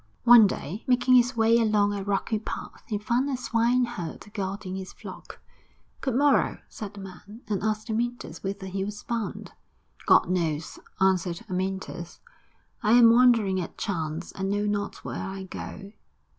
X One day, making his way along a rocky path, he found a swineherd guarding his flock. 'Good morrow!' said the man, and asked Amyntas whither he was bound. 'God knows!' answered Amyntas. 'I am wandering at chance, and know not where I go.'